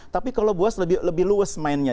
tapi kalau boaz lebih lebar mainnya